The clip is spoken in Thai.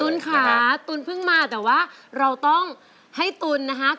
ค่ะตุ๋นเพิ่งมาแต่ว่าเราต้องให้ตุ๋นนะคะ